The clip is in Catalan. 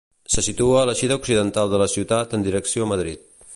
Se situa a l'eixida occidental de la ciutat en direcció Madrid.